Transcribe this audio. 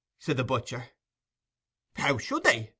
said the butcher. "How should they?"